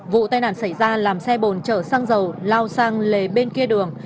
vụ tai nạn xảy ra làm xe bồn trở sang dầu lao sang lề bên kia đường